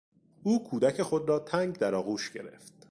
او کودک خود را تنگ در آغوش گرفت.